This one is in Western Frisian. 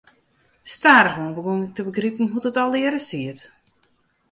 Stadichoan begûn ik te begripen hoe't it allegearre siet.